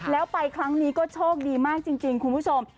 แล้วไปครั้งนี้ก็โชคดีมากจริงคุณผู้ชม